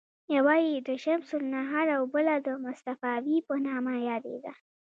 یوه یې د شمس النهار او بله د مصطفاوي په نامه یادېده.